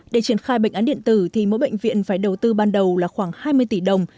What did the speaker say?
để triển khai bệnh án điện tử thì mỗi bệnh viện phải đầu tư ban đầu là khoảng hai mươi tỷ đồng